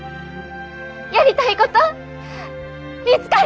やりたいこと見つかりました！